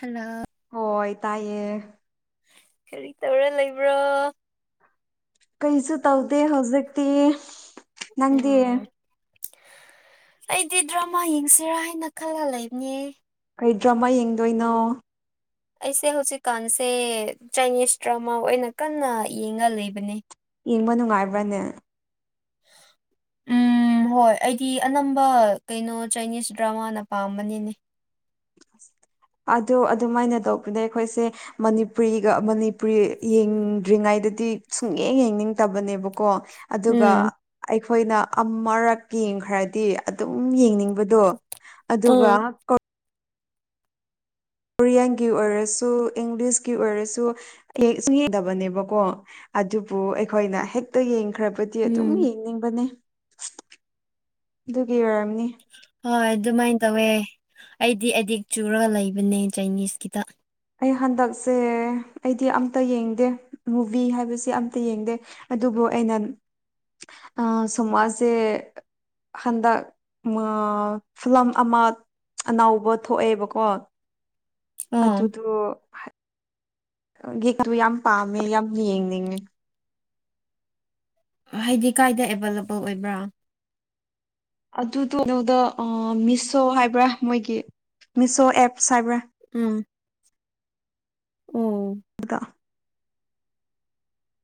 ꯍꯜꯂꫭ ꯍꯣꯏ ꯇꯥꯏꯌꯦ ꯀꯔꯤ ꯇꯧꯔ ꯂꯩꯕ꯭ꯔꯣ ꯀꯩꯁꯨ ꯇꯧꯗꯦ ꯍꯧꯖꯤꯛꯇꯤ ꯅꯪꯗꯤ ꯎꯝ ꯑꯩꯗꯤ ꯗ꯭ꯔꯃꯥ ꯌꯦꯡꯁꯤꯔꯥ ꯍꯥꯏꯅ ꯈꯜꯂ ꯂꯩꯕꯅꯦ ꯀꯔꯤ ꯗ꯭ꯔꯃꯥ ꯌꯦꯡꯗꯣꯏꯅꯣ ꯑꯩꯁꯦ ꯍꯧꯖꯤꯛꯀꯥꯟꯁꯦ ꯆꯥꯏꯅꯤꯁ ꯗ꯭ꯔꯃꯥ ꯑꯣꯏꯅ ꯀꯟꯅ ꯌꯦꯡꯉ ꯂꯩꯕꯅꯦ ꯌꯦꯡꯕ ꯅꯨꯡꯉꯥꯏꯕ꯭ꯔꯅꯦ ꯎꯝ ꯎꯝ ꯍꯣꯏ ꯑꯩꯗꯤ ꯑꯅꯝꯕ ꯀꯩꯅꯣ ꯆꯥꯏꯅꯤꯁ ꯗ꯭ꯔꯃꯥꯅ ꯄꯥꯝꯕꯅꯤꯅꯦ [inaudible] ꯑꯗꯣ ꯑꯗꯨꯃꯥꯏꯅ ꯇꯧꯕꯅꯦ ꯑꯩꯈꯣꯏꯁꯦ ꯃꯅꯤꯄꯨꯔꯤꯒ ꯃꯅꯤꯄꯨꯔꯤ ꯌꯦꯡꯗ꯭ꯔꯤꯉꯩꯗꯗꯤ ꯁꯨꯡꯌꯦꯡ ꯌꯦꯡꯅꯤꯡꯗꯕꯅꯦꯕ ꯀꯣ ꯑꯗꯨꯒ ꯎꯝ ꯑꯩ ꯑꯩꯈꯣꯏꯅ ꯑꯃꯔꯛ ꯌꯦꯡꯈ꯭ꯔꯗꯤ ꯑꯗꯨꯝ ꯌꯦꯡꯅꯤꯡꯕꯗꯣ ꯑꯗꯨꯒ ꯀꯣꯔꯤꯌꯥꯟꯒꯤ ꯑꯣꯏꯔꯁꯨ ꯏꯪꯂꯤꯁꯀꯤ ꯑꯣꯏꯔꯁꯨ ꯁꯨꯡ ꯌꯦꯡꯗꯕꯅꯦꯕꯀꯣ ꯑꯗꯨꯕꯨ ꯑꯩꯈꯣꯏꯅ ꯍꯦꯛꯇ ꯌꯦꯡꯈ꯭ꯔꯕ ꯗꯤ ꯑꯗꯨꯝ ꯎꯝ ꯌꯦꯡꯅꯤꯡꯕꯅꯦ ꯑꯗꯨꯒꯤ ꯑꯣꯏꯔꯝꯅꯤ ꯍꯣꯏ ꯑꯗꯨꯃꯥꯏꯅ ꯇꯧꯋꯦ ꯑꯩꯗꯤ ꯑꯦꯗꯤꯛ ꯆꯨꯔꯒ ꯂꯩꯕꯅꯦ ꯆꯥꯏꯅꯤꯁꯀꯤꯗ ꯑꯩ ꯍꯟꯗꯛꯁꯦ ꯑꯩꯗꯤ ꯑꯝꯇ ꯌꯦꯡꯗꯦ ꯃꯨꯚꯤ ꯍꯥꯏꯕꯁꯤ ꯑꯝꯇ ꯌꯦꯡꯗꯦ ꯑꯗꯨꯕꯨ ꯑꯩꯅ ꯑꯥ ꯁꯣꯝꯃꯥꯁꯦ ꯍꯟꯗꯛ ꯐꯤꯂꯝ ꯑꯃ ꯑꯅꯧꯕ ꯊꯣꯛꯑꯦꯕꯀꯣ ꯑꯣ ꯑꯗꯨꯗꯣ ꯨ ꯌꯥꯝ ꯄꯥꯝꯃꯦ ꯌꯥꯝ ꯌꯦꯡꯅꯤꯡꯉ‌ꯦ ꯍꯥꯏꯗꯤ ꯀꯥꯏꯗ ꯑꯦꯕꯥꯏꯂꯦꯕꯜ ꯑꯣꯏꯕ꯭ꯔꯥ ꯑꯗꯨꯗꫭ ꯀꯩꯅꫭꯗ ꯑꯥ ꯃꯤꯁꯣ ꯍꯥꯏꯕ꯭ꯔꯥ ꯃꯣꯏꯒꯤ ꯃꯤꯁꯣ ꯑꯦꯞꯁ ꯍꯥꯏꯕ꯭ꯔꯥ ꯎꯝ ꯑꯣ ꯑꯗ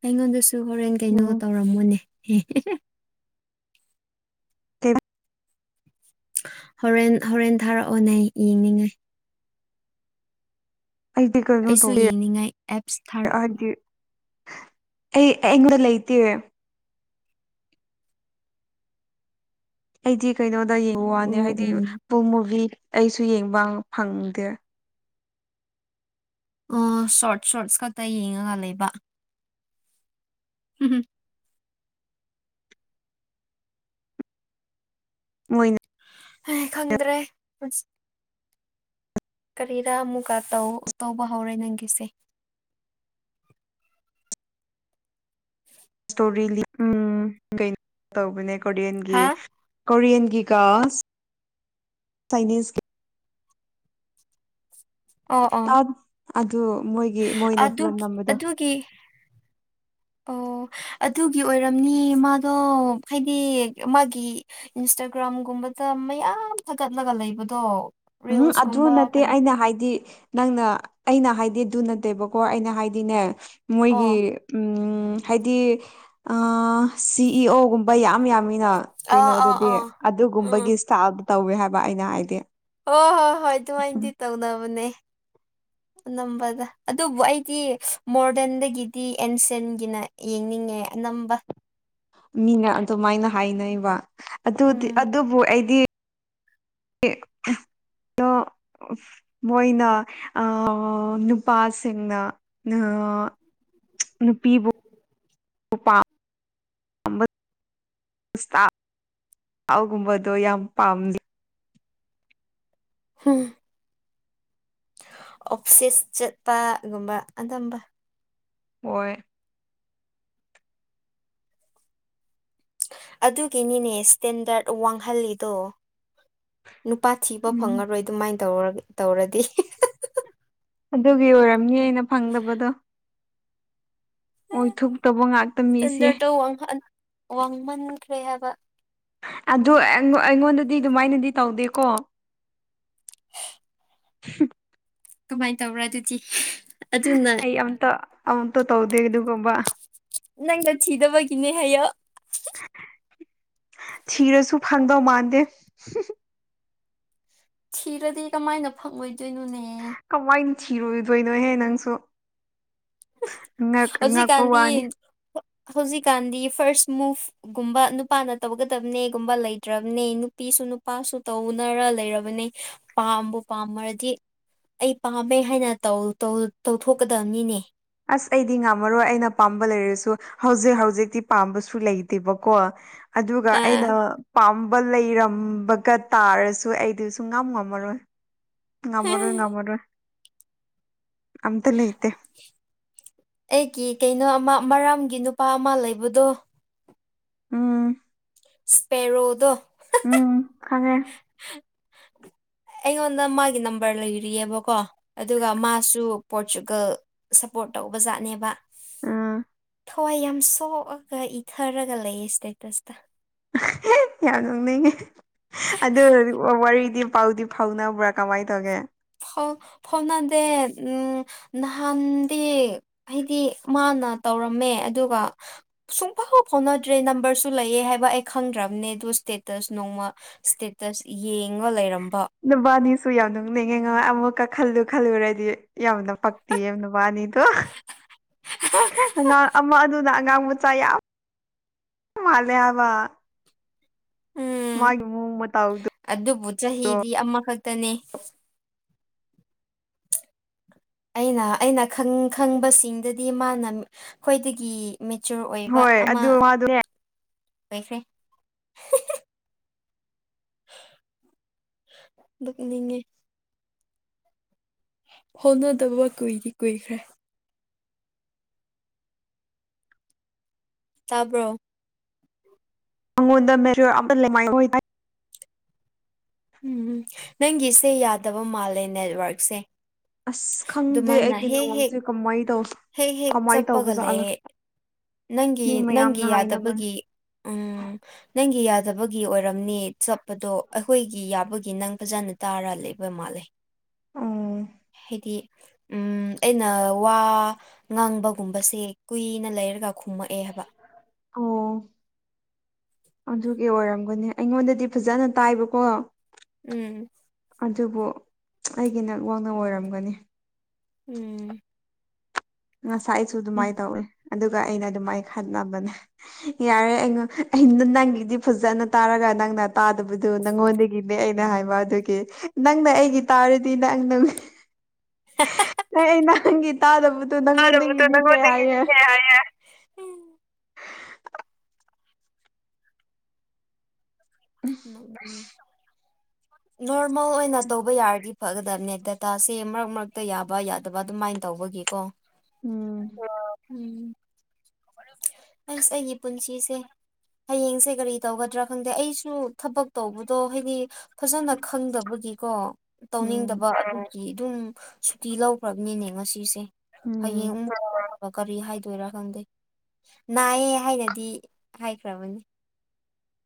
ꯑꯩꯉꯣꯟꯗꯁꯨ ꯍꯣꯔꯦꯟ ꯀꯩꯅꯣ ꯎꯝ ꯇꯧꯔꯝꯃꯣꯅꯦ [unintelligible] ꯍꯣꯔꯦꯟ ꯍꯣꯔꯦꯟ ꯊꯥꯔꯛꯑꯣꯅꯦ ꯌꯦꯡꯅꯤꯡꯉ‌ꯦ ꯑꯩꯗꯤ ꯀꯩꯅꯣ ꯑꯩꯁꯨ ꯇꯧꯋꯦ ꯌꯦꯡꯅꯤꯡꯉꯥꯏ ꯑꯦꯞꯁ ꯊꯥꯔꯛꯑꯣ ꯍꯥꯏꯗꯤ ꯑꯩ ꯑꯩꯉꯣꯟꯗ ꯂꯩꯇꯦ ꯑꯩꯗꯤ ꯀꯩꯅꯣꯗ ꯌꯦꯡꯕꯥꯋꯥꯅꯦ ꯍꯥꯏꯗꯤ ꯎꯝ ꯐꯨꯜ ꯃꯨꯚꯤ ꯑꯩꯁꯨ ꯌꯦꯡꯕ ꯐꯪꯗꯦ ꯑꯣ ꯁꯣꯔꯠ ꯁꯣꯔꯠꯁ ꯈꯛꯇ ꯌꯦꯡꯉꯒ ꯂꯩꯕ ꯎꯝ ꯃꫭꯏꯅ ꯈꯪꯗ꯭ꯔꯦ ꯀꯔꯤꯔ ꯑꯃꯨꯛꯀꯥ ꯇꯧ ꯇꯧꯕ ꯍꯧꯔꯦ ꯅꯪꯒꯤꯁꯦ ꯏꯁꯇꯣꯔꯤ ꯂꯤ ꯎ [unintelligible] ꯀꯩꯅꯣ ꯇꯧꯕꯅꯦ ꯀꯣꯔꯤꯌꯥꯟꯒꯤ ꯍꯥ ꯀꯣꯔꯤꯌꯥꯟꯒꯤꯒ ꯆꯥꯏꯅꯤꯁ ꯑꯣ ꯑꯣ ꯑ [unintelligible] ꯑꯗꯨ ꯃꯣꯏ ꯑꯗꯨꯒꯤ ꯑꯗꯨꯒꯤ ꯑꯣ ꯑꯗꯨꯒꯤ ꯑꯣꯏꯔꯝꯅꯤ ꯃꯥꯗꯣ ꯍꯥꯏꯗꯤ ꯃꯥꯒꯤ ꯏꯟꯁꯇꯥꯒ꯭ꯔꯥꯝꯒꯨꯝꯕꯗ ꯃꯌꯥꯝ ꯊꯥꯒꯠꯂꯒ ꯂꯩꯕꯗꯣ ꯎꯝꯍꯨꯝ ꯑꯗꯨ ꯔꯤꯜꯁꯀꯨꯝꯕ ꯅꯠꯇꯦ ꯀꯔꯤ ꯑꯩꯅ ꯍꯥꯏꯗꯤ ꯅꯪꯅ ꯑꯩꯅ ꯍꯥꯏꯗꯤ ꯑꯗꯨ ꯅꯠꯇꯦꯕꯀꯣ ꯑꯩꯅ ꯍꯥꯏꯗꯤꯅꯦ ꯑꯣ ꯃꯣꯏꯒꯤ ꯍꯥꯏꯗꯤ ꯑ ꯁꯤ ꯏ ꯑꯣ ꯒꯨꯝ__ ꯕ ꯌꯥꯝ ꯌꯥꯝꯃꯤꯅ ꯑꯥ ꯑꯥ ꯀꯩꯅꯣꯗꯗꯤ ꯑꯥ ꯎꯝ ꯑꯗꯨꯒꯨꯝꯕꯒꯤ ꯏꯁ꯭ꯇꯥꯐ ꯇꯧꯋꯦ ꯍꯥꯏꯕ ꯑꯩꯅ ꯍꯥꯏꯗꯤ ꯍꯣ ꯍꯣꯏ ꯍꯣꯏ ꯎꯝ ꯑꯗꯨꯃꯥꯏꯅꯗꯤ ꯇꯧꯅꯕꯅꯦ ꯑꯅꯝꯕꯗ ꯑꯗꯨꯕꯨ ꯑꯩꯗꯤ ꯃꯣꯗ꯭ꯔꯟꯗꯒꯤꯗꯤ ꯑꯦꯟꯁꯦꯟꯒꯤꯅ ꯌꯦꯡꯅꯤꯡꯉꯦ ꯑꯅꯝꯕ ꯃꯤꯅ ꯑꯗꯨꯃꯥꯏꯅ ꯍꯥꯏꯅꯩꯕ ꯑꯗꯨꯗꯤ ꯎꯝ ꯑꯗꯨꯕꯨ ꯑꯩ [unintelligible] ꯃꯣꯏꯅ ꯑ ꯅꯨꯄꯥꯁꯤꯡꯅ ꯅ ꯅꯨꯄꯤꯕꯨ ꯎꯄꯥꯞ [unintelligible] ꯒꯨꯝꯕꯗꯣ ꯌꯥꯝ ꯄꯥꯝ [unintelligible] [unintelligible] ꯑꯣꯐꯁꯦꯁ ꯆꯠꯄ ꯒꯨꯝꯕ ꯑꯅꯝꯕ ꯑꯣꯏ ꯑꯗꯨꯒꯤꯅꯤꯅꯦ ꯁ꯭ꯇꯦꯟꯗꯔꯠ ꯋꯥꯡꯍꯜꯂꯤꯗꯣ ꯅꯨꯄꯥ ꯊꯤꯕ ꯎꯝ ꯐꯪꯉꯔꯣꯏ ꯑꯗꯨꯃꯥꯏꯟ ꯇꯧꯔ ꯇꯧꯔꯗꯤ ꯑꯗꯨꯒꯤ ꯑꯣꯏꯔꯝꯅꯤ ꯑꯩꯅ ꯐꯪꯗꯕꯗꯣ ꯑꯣꯏꯊꯣꯛꯇꯕ ꯉꯥꯛꯇ ꯃꯤꯁꯦ [unintelligible] ꯋꯥꯡꯍꯟ ꯋꯥꯡꯃꯟꯈ꯭ꯔꯦ ꯍꯥꯏꯕ ꯑꯗꯨ ꯑꯩꯉꯣꯟ ꯑꯩꯉꯣꯟꯗꯗꯤ ꯑꯗꯨꯃꯥꯏꯅꯗꯤ ꯇꯧꯗꯦꯀꯣ [unintelligible] [unintelligible] ꯀꯃꯥꯏꯟ ꯇꯧꯕꯔꯥ ꯑꯗꯨꯗꯤ [unintelligible] ꯑꯗꯨꯅ ꯑꯩ ꯑꯝꯇ ꯑꯝꯇ ꯇꯧꯗꯦ ꯑꯗꯨꯒꯨꯝꯕ ꯅꯪꯅ ꯊꯤꯗꯕꯒꯤꯅꯦ ꯍꯥꯏꯌꯣ ꯊꯤꯔꯁꯨ ꯐꯪꯗꯧ ꯃꯥꯟꯗꯦ [unintelligible] ꯊꯤꯔꯗꯤ ꯀꯃꯥꯏꯅ ꯐꯪꯉꯣꯏꯗꯣꯏꯅꯣꯅꯦ ꯀꯃꯥꯏꯅ ꯊꯤꯔꯣꯏꯗꯣꯏꯅꯣꯍꯦ ꯅꯪꯁꯨ ꯑꯉꯛ ꯑꯉꯛꯄ ꯍꯧꯖꯤꯛꯀꯥꯟꯗꯤ ꯋꯥꯅꯦ ꯍꯧꯖꯤꯛꯀꯥꯟꯗꯤ ꯐꯥꯔꯁ ꯃꯨꯚ ꯒꯨꯝꯕ ꯅꯨꯄꯥꯅ ꯇꯧꯒꯗꯕꯅꯦꯒꯨꯝꯕ ꯂꯩꯇ꯭ꯔꯕꯅꯦ ꯅꯨꯄꯤꯁꯨ ꯅꯨꯄꯥꯁꯨ ꯇꯧꯅꯔ ꯂꯩꯔꯕꯅꯦ ꯄꯥꯝꯕꯨ ꯄꯥꯝꯃꯔꯗꯤ ꯑꯩ ꯄꯥꯝꯃꯦ ꯍꯥꯏꯅ ꯇꯧ ꯇꯧ ꯇꯧꯊꯣꯛꯀꯗꯕꯅꯤꯅꯦ ꯑꯁ ꯑꯩꯗꯤ ꯉꯝꯃꯔꯣꯏ ꯑꯩꯅ ꯄꯥꯝꯕ ꯂꯩꯔꯁꯨ ꯍꯧꯖꯤꯛ ꯍꯧꯖꯤꯛꯇꯤ ꯄꯥꯝꯕꯁꯨ ꯂꯩꯇꯦꯕꯀꯣ ꯑꯗꯨꯒ ꯑꯩꯅ ꯑꯥ ꯄꯥꯝꯕ ꯂꯩꯔꯝꯕꯒ ꯇꯥꯔꯁꯨ ꯑꯩꯗꯨ ꯁꯨꯡ ꯉꯝ ꯉꯝꯃꯔꯣꯏ ꯍꯥ ꯉꯝꯃꯔꯣꯏ ꯉꯝꯃꯔꯣꯏ ꯑꯝꯇ ꯂꯩꯇꯦ ꯑꯩꯒꯤ ꯀꯩꯅꯣ ꯑꯃ ꯃꯔꯥꯝꯒꯤ ꯅꯨꯄꯥ ꯑꯃ ꯂꯩꯕꯗꯣ ꯎꯝ ꯁ꯭ꯄꯦꯔꯣꯗꯣ ꯎꯝ ꯈꯪꯉꯦ ꯑꯩꯉꯣꯟꯗ ꯃꯥꯒꯤ ꯅꯝꯕꯔ ꯂꯩꯔꯤꯌꯦꯕꯀꯣ ꯑꯗꯨꯒ ꯃꯥꯁꯨ ꯄꯣꯔꯆꯨꯒꯜ ꯁꯞꯄꯣꯔꯠ ꯇꯧꯕꯖꯥꯠꯅꯦꯕ ꯑꯥ ꯊꯋꯥꯏ ꯌꯥꯝ ꯁꯣꯛꯑꯒ ꯏꯊꯔꯒ ꯂꯩꯌꯦ ꯁ꯭ꯇꯦꯇꯁꯇ [unintelligible] ꯌꯥꯝ ꯅꯣꯛꯅꯤꯡꯉꯦ ꯑꯗꯨ ꯍꯧꯖꯤꯛ ꯐꯥꯎ ꯋꯥꯔꯤꯗꯤ ꯄꯥꯎꯗꯤ ꯐꯥꯎꯅꯕ꯭ꯔꯥ ꯀꯃꯥꯏꯅ ꯇꯧꯒꯦ ꯐꯥꯎ ꯐꯥꯎꯅꯗꯦ ꯎꯝ ꯅꯍꯥꯟꯗꯤ ꯑꯩꯗꯤ ꯃꯥꯅ ꯇꯧꯔꯝꯃꯦ ꯑꯗꯨꯒ ꯁꯨꯡꯐꯥꯎ ꯐꯥꯎꯅꯗ꯭ꯔꯦ ꯅꯝꯕꯔꯁꯨ ꯂꯩꯌꯦ ꯍꯥꯏꯕ ꯑꯩ ꯈꯪꯗ꯭ꯔꯕꯅꯦ ꯑꯗꯨ ꯁ꯭ꯇꯦꯇꯁ ꯅꯣꯡꯃ ꯏꯁꯇꯦꯇꯁ ꯌꯦꯡꯉ ꯂꯩꯔꯝꯕ ꯅꯨꯕꯥꯅꯤꯁꯨ ꯌꯥꯎꯅꯤꯡ ꯅꯤꯡꯉꯦ ꯉ ꯑꯃꯨꯛꯀ ꯈꯜꯂꯨ ꯈꯜꯂꯨꯔꯗꯤ ꯌꯥꯎꯅꯕ ꯄꯛꯇꯤ ꯅꯨꯕꯥꯅꯤꯗꯣ ꯑꯉꯥꯡ ꯑꯃ ꯑꯗꯨꯅ ꯑꯉꯥꯡ ꯆ ꯃꯥꯜꯂꯦ ꯍꯥꯏꯕ꯫ ꯎꯝ ꯃꯥꯃꯥꯎꯣ ꯗꯣ ꯑꯗꯨꯕꯨ ꯆꯍꯤꯗꯤ ꯑꯃꯈꯛꯇꯅꯦ꯫ ꯑꯩꯅ ꯑꯩꯅ ꯈꯪꯕꯁꯤꯡꯗꯗꯤ ꯃꯥꯅ ꯈ꯭ꯋꯥꯣꯏꯗꯒꯤ꯫ ꯃꯦꯆꯣꯔ ꯑꯣꯏꯕ ꯍꯣꯏ ꯑꯃ ꯑꯗꯨ ꯃꯥꯗꯨꯅꯦ ꯑꯣꯏꯈ꯭ꯔꯦ ꯑꯅꯤꯡꯉꯦ꯫ ꯍꯣꯠꯅꯗꯕ ꯀꯨꯏꯗꯤ ꯀꯨꯏꯈ꯭ꯔꯦ ꯇꯥꯕ꯭ꯔꯣ [unintelligible] ꯎꯝꯝ ꯅꯪꯒꯤꯁꯦ ꯌꯥꯗꯕ ꯃꯥꯜꯂꯦ ꯅꯦꯠꯋꯔꯛꯁꯦ꯫ ꯑꯁ ꯈꯪꯗꯦ ꯑꯩꯒꯤ ꯍꯦꯛ ꯅꯤꯉꯡꯁꯦ ꯀꯃꯥꯏꯅ ꯇꯧ ꯍꯦꯛ ꯍꯦꯛ ꯀꯃꯥꯏ ꯆꯠꯄꯒ ꯂꯩ ꯇꯧꯕꯖꯥꯠꯂ ꯅꯪꯒꯤ ꯃꯤ ꯅꯪꯒꯤ ꯃꯌꯥꯝꯅ ꯍꯥꯏꯅꯕꯅꯦ ꯌꯥꯗꯕꯒꯤ꯫ ꯎꯝ ꯅꯪꯒꯤ ꯌꯥꯗꯕꯒꯤ ꯑꯣꯏꯔꯝꯅꯤ ꯆꯠꯄꯗꯣ ꯑꯩꯈꯣꯏꯒꯤ꯫ ꯒꯤ ꯌꯥꯕꯒꯤ ꯅꯪ ꯐꯖꯥꯅ ꯇꯥꯔ ꯂꯩꯕ ꯃꯥꯜꯂꯦ ꯑꯣ ꯍꯥꯏꯗꯤ ꯎꯝ ꯑꯩꯅ ꯋꯥ ꯉꯥꯡꯕꯒꯨꯝꯕꯁꯦ ꯀꯨꯏꯅ ꯂꯩꯔꯒ ꯈꯨꯝꯃꯛꯑꯦ ꯍꯥꯏꯕ ꯑꯣ ꯑꯗꯨꯒꯤ ꯑꯣꯏꯔꯝꯒꯅꯤ ꯑꯩꯉꯣꯟꯗꯗꯤ ꯐꯖꯅ ꯇꯥꯏꯕꯀꯣ ꯎꯝ ꯑꯗꯨꯕꯨ ꯑꯩꯒꯤ ꯅꯛ ꯋꯥꯡꯅ ꯑꯣꯏꯔꯝꯒꯅꯤ꯫ ꯎꯝ ꯉꯁꯥꯏ ꯑꯩꯁꯨ ꯑꯗꯨꯃꯥꯏꯅ ꯇꯧꯋ ꯑꯗꯨꯒ ꯑꯩꯅ ꯑꯗꯨꯃꯥꯏ ꯈꯠꯅꯕꯅꯦ꯫ ꯌꯥꯔꯦ ꯑꯩꯉꯣ ꯑꯩꯅ ꯅꯪꯒꯤꯗꯤ ꯐꯖꯅ ꯇꯥꯔꯒ ꯅꯪꯅ ꯇꯥꯗꯕꯗꯨ ꯅꯪꯉꯣꯟꯗꯒꯤꯅꯦ ꯑꯩꯅ ꯍꯥꯏꯕ ꯑꯗꯨꯒꯤ ꯅꯪꯅ ꯑꯩꯒꯤ ꯇꯥ ꯅꯪ ꯅꯪ ꯅꯪ ꯑꯩ ꯅꯪꯒꯤ ꯇꯥꯗꯕꯨ ꯇꯥꯗꯕꯗꯣ ꯅꯪꯣꯗꯗꯤ ꯂꯩꯦ ꯍꯥꯏꯌꯦ꯫ [unintelligible] [unintelligible] ꯅꯣꯔꯃꯦꯜ ꯑꯣꯏꯅ ꯇꯧꯕ ꯌꯥꯔꯗꯤ ꯐꯒꯗ ꯅꯦꯠ ꯗꯇꯥꯁꯦ ꯃꯔꯛ ꯃꯔꯛꯇ ꯌꯥꯕ ꯌꯥ ꯑꯗꯨ ꯑꯗꯨꯃꯥꯏꯅ ꯇꯧꯕꯒꯤꯀꯣ ꯎꯝ ꯎꯝ ꯑꯁ ꯑꯩꯒꯤ ꯄꯨꯟꯁꯤꯁꯦ ꯍꯌꯦꯡꯁꯦ ꯀꯔꯤ ꯇꯧꯒꯗ꯭ꯔꯥ ꯈꯪꯗꯦ ꯑꯩꯁꯨ ꯊꯕꯛ ꯇꯧꯕꯗꯣ ꯍꯥꯏꯗꯤ ꯐꯖꯅ ꯈꯪꯗꯕꯒꯤꯀꯣ ꯎꯝ ꯇꯧꯅꯤꯡꯗꯕ ꯑꯗꯨꯝ ꯁꯨꯇꯤ ꯂꯧꯈ꯭ꯔꯕꯅꯤꯅꯦ ꯉꯁꯤꯁꯦ ꯍꯌꯦꯡ ꯎꯝ ꯑꯃꯨꯛ ꯀꯔꯤ ꯍꯥꯏꯗꯣꯏꯔꯥ ꯈꯪꯗꯦ ꯅꯥꯏꯌꯦꯦ ꯍꯥꯏꯅꯗꯤ ꯍꯥꯏꯈ꯭ꯔꯕꯅꯤ꯫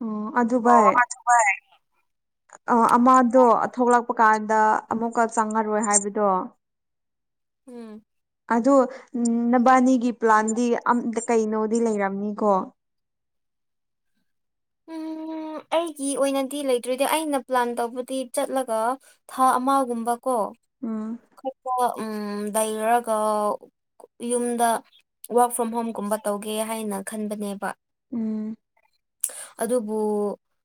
ꯑꯣ ꯑꯗꯨ ꯚꯥꯏ ꯍꯣꯏ ꯑ ꯑꯃꯗꯣ ꯊꯣꯛꯂꯛꯄ ꯀꯥꯟꯗ ꯑꯃꯨꯛꯀ ꯆꯪꯉꯔꯣꯏ ꯍꯥꯏꯕꯗꯣ ꯎꯝ ꯑꯗꯣ ꯅꯕꯥꯅꯤꯒꯤ ꯄ꯭ꯂꯥꯟꯗꯤ ꯑ ꯀꯩꯅꯣꯗꯤ ꯂꯩꯔꯕꯝꯅꯤꯀꯣ ꯎꯝ ꯑꯩꯒꯤ ꯑꯣꯏꯅꯗꯤ ꯂꯩꯇ꯭ꯔꯗꯤ ꯑꯩꯅ ꯄ꯭ꯂꯥꯟ ꯇꯧꯕꯗꯤ ꯆꯠꯂꯒ ꯊꯥ ꯑꯃꯒꯨꯝꯕ ꯀꯣ ꯎꯝ ꯈꯄ ꯎꯝ ꯂꯩꯔꯒ ꯌꯨꯝꯗ ꯋꯥꯔꯛ ꯐ꯭ꯔꯣꯝ ꯍꯣꯝꯒꯨꯝꯕ ꯇꯧꯒꯦ ꯍꯥꯏꯅ ꯈꯟꯕꯅꯦꯕ ꯎꯝ ꯑꯗꯨꯕꯨ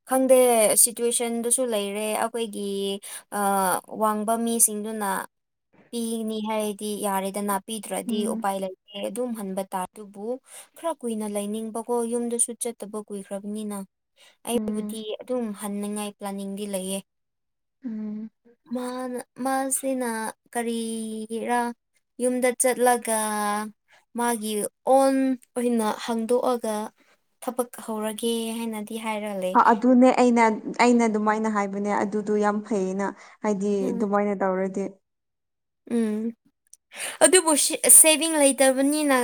ꯈꯪꯗꯦ ꯁꯤꯇꯨꯋꯦꯁꯟꯗꯁꯨ ꯂꯩꯔꯦ ꯑꯩꯈꯣꯏꯒꯤ ꯋꯥꯡꯕ ꯃꯤꯁꯤꯡꯗꯨꯅ ꯄꯤꯅꯤ ꯍꯥꯏꯔꯗꯤ ꯌꯥꯔꯦꯗꯅ ꯄꯤꯗ꯭ꯔꯗꯤ ꯎꯝ ꯎꯄꯥꯏ ꯂꯩꯇꯦ ꯑꯗꯨꯝ ꯍꯟꯕ ꯇꯥꯔꯦ ꯑꯗꯨꯕꯨ ꯈꯔ ꯀꯨꯏꯅ ꯂꯩꯅꯤꯡꯕꯀꯣ ꯌꯨꯝꯗꯁꯨ ꯆꯠꯇꯕ ꯀꯨꯏꯈ꯭ꯔꯕꯅꯤꯅ ꯑꯩꯕꯨꯗꯤ ꯎꯝ ꯑꯗꯨꯝ ꯍꯟꯅꯤꯡꯉꯥꯏ ꯄ꯭ꯂꯥꯅꯤꯡꯗꯤ ꯂꯩꯌꯦ ꯎꯝ ꯃꯥꯅ ꯃꯥꯁꯤꯅ ꯀꯔꯤꯔꯥ ꯌꯨꯝꯗ ꯆꯠꯂꯒ ꯃꯥꯒꯤ ꯑꯣꯟ ꯑꯣꯏꯅ ꯍꯥꯡꯗꯣꯛꯑꯒ ꯊꯕꯛ ꯍꯧꯔꯒꯦ ꯍꯥꯏꯅꯗꯤ ꯍꯥꯏꯔ ꯂꯩ ꯑꯗꯨꯅꯦ ꯑꯩꯅ ꯑꯩꯅ ꯑꯗꯨꯃꯥꯏꯅ ꯍꯥꯏꯕꯅꯦ ꯑꯗꯨꯗꯨꯣ ꯌꯥꯝ ꯐꯩꯌꯦꯅ ꯍꯥꯏꯗꯤ ꯎꯝ ꯑꯗꯨꯃꯥꯏꯅ ꯇꯧꯔꯗꯤ ꯎꯝ ꯑꯗꯨꯕꯨ ꯁꯦꯚꯤꯡ ꯂꯩꯇꯕꯅꯤꯅ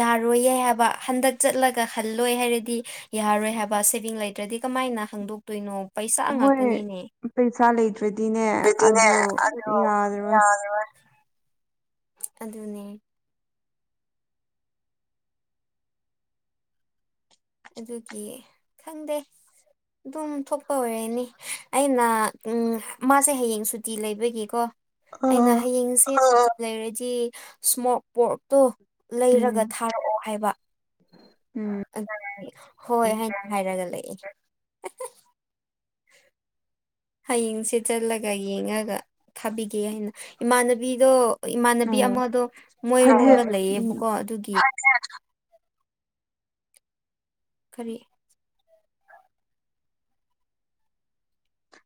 ꯌꯥꯔꯣꯏꯌꯦ ꯍꯥꯏꯕ ꯍꯟꯗꯛ ꯆꯠꯂꯒ ꯍꯜꯂꯣꯏ ꯍꯥꯏꯔꯗꯤ ꯌꯥꯔꯔꯣꯏ ꯍꯥꯏꯕ ꯁꯦꯚꯤꯡ ꯂꯩꯇ꯭ꯔꯗꯤ ꯀꯃꯥꯏꯅ ꯍꯪꯗꯣꯛꯇꯣꯏꯅꯣ ꯄꯩꯁꯥ ꯍꯣꯏ ꯉꯥꯛꯇꯅꯤꯅꯦ ꯄꯩꯁꯥ ꯂꯩꯇ꯭ꯔꯗꯤꯅꯦ ꯑꯗꯨꯗꯤꯅꯦ ꯑꯗꯨ ꯑꯗ ꯌꯥꯔꯔꯣꯏ ꯑ ꯑꯗꯨꯅꯦ ꯑꯗꯨꯒꯤ ꯈꯪꯗꯦ ꯑꯗꯨꯝ ꯊꯣꯛꯄ ꯑꯣꯏꯔꯦꯅꯤ ꯑꯩꯅ ꯃꯥꯁꯦ ꯍꯌꯦꯡ ꯁꯨꯇꯤ ꯂꯩꯕꯒꯤꯀꯣ ꯑ ꯑꯩꯅ ꯍꯌꯦꯡꯁꯦ ꯂꯩꯔꯗꯤ ꯏꯁꯃꯣꯛ ꯄꯣꯔꯛꯇꯣ ꯂꯩꯔꯒ ꯎꯝ ꯊꯥꯔꯑꯣ ꯍꯥꯏꯕ ꯎꯝ ꯍꯣꯏ ꯍꯥꯏꯅ ꯍꯥꯏꯔꯒ ꯂꯩ ꯍꯌꯦꯡꯁꯦ ꯆꯠꯂꯒ ꯌꯦꯡꯉꯒ ꯊꯥꯕꯤꯒꯦ ꯍꯥꯏꯅ ꯏꯃꯥꯟꯅꯕꯤꯗꯣ ꯏꯃꯥꯟꯅꯕꯤ ꯑꯣ ꯑꯃꯗꯣ ꯍꯥꯏꯗꯤ ꯃꯣꯏꯔꯣꯝꯗ ꯎꯝ ꯂꯩꯌꯦꯕꯀꯣ ꯑꯗꯨꯒꯤ ꯀꯔꯤ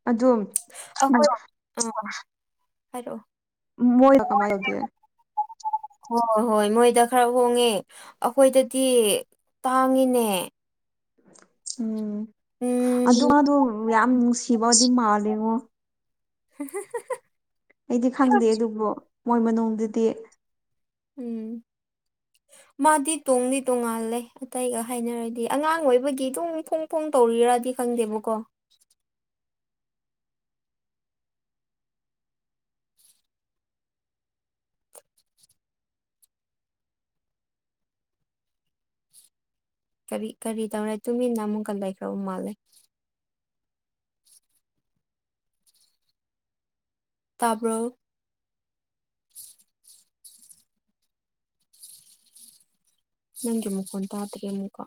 ꯑꯗꯨꯝ ꯑ ꯍꯥꯏꯔꯣ ꯃꯣꯏꯁꯨ ꯀꯃꯥꯏꯒꯦ ꯑ ꯍꯣꯏ ꯍꯣꯏ ꯃꯣꯏꯗ ꯈꯔ ꯍꯣꯡꯉꯦ ꯑꯩꯈꯣꯏꯗꯗꯤ ꯇꯥꯡꯉꯤꯅꯦ ꯎꯝ ꯎꯝ ꯑꯗꯨꯗ ꯌꯥꯝ ꯅꯨꯡꯁꯤꯕꯗꯤ ꯃꯥꯜꯂꯤꯉꯣ ꯍ ꯑꯩꯗꯤ ꯈꯪꯗꯦ ꯑꯗꯨꯕꯨ ꯃꯣꯏ ꯃꯅꯨꯡꯗꯨꯗꯤ ꯎꯝ ꯃꯥꯗꯤ ꯇꯣꯡꯗꯤ ꯇꯣꯡꯉꯥꯜꯂꯦ ꯑꯇꯩꯒ ꯍꯥꯏꯅꯔꯗꯤ ꯑꯉꯥꯡ ꯑꯣꯏꯕꯒꯤ ꯇꯣꯡ ꯊꯣꯡ ꯐꯣꯡ ꯇꯧꯔꯤꯔꯗꯤ ꯈꯪꯗꯦꯕꯀꯣ ꯀꯔꯤ ꯀꯔꯤ ꯇꯧꯔꯦ ꯇꯨꯃꯤꯟꯅ ꯑꯃꯨꯛꯀ ꯂꯩꯈ꯭ꯔꯕ ꯃꯥꯜꯂꯦ ꯇꯥꯕ꯭ꯔꯣ ꯅꯪꯒꯤ ꯃꯨꯀꯣꯟ ꯇꯥꯇꯔꯤꯦ ꯃꯨꯀ